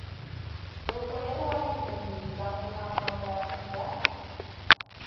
Nuko rero uwari impumyi bamuhamagara ubwa